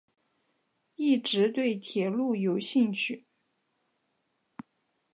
一直对铁路有兴趣。